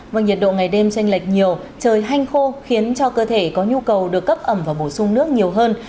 vâng nhiệt độ ngày đêm tranh lệch nhiều trời hanh khô khiến cho cơ thể có nhu cầu được cấp ẩm và bổ sung nước nhiều hơn